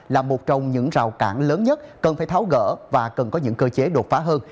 là một trong những rào cản lớn nhất cần phải tháo gỡ và cần có những cơ chế đột phá hơn